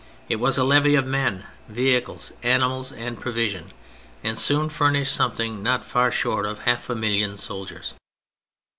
It was a levy of men, vehicles, animals and provision, and soon furnished something not far short of half a million soldiers.